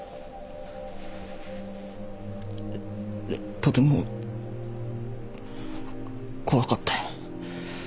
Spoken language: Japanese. とても怖かった。